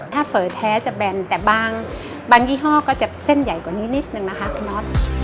ถ้าเฝอแท้จะแบนแต่บางยี่ห้อก็จะเส้นใหญ่กว่านี้นิดนึงนะคะคุณน็อต